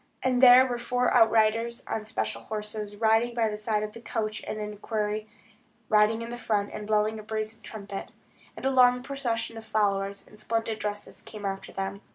And there were four outriders on splendid horses, riding by the side of the coach, and an equerry, riding in front, and blowing a brazen trumpet. And a long procession of followers, in splendid dresses, came after them.